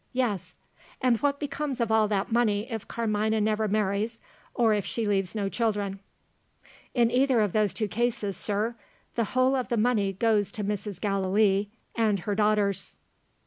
"Yes." "And what becomes of all that money, if Carmina never marries, or if she leaves no children?" "In either of those cases, sir, the whole of the money goes to Mrs. Gallilee and her daughters."